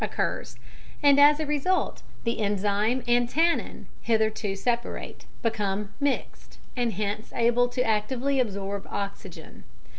occurs, and, as a result, the enzyme and tannin, hitherto separate, become mixed, and hence able actively to absorb oxygen.